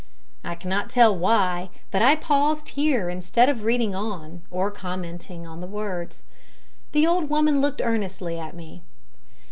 I cannot tell why, but I paused here instead of reading on, or commenting on the words. The old woman looked earnestly at me.